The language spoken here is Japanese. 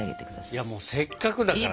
いやもうせっかくだからさ。